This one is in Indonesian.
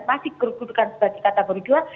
masih bergurukan sebagai kategori dua